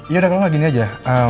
yaudah kalau nggak gini aja